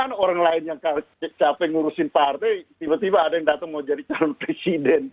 karena orang lain yang capek ngurusin partai tiba tiba ada yang datang mau jadi calon presiden